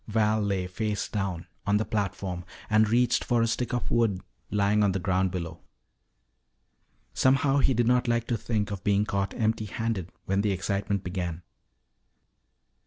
Val lay, face down, on the platform and reached for a stick of wood lying on the ground below. Somehow he did not like to think of being caught empty handed when the excitement began.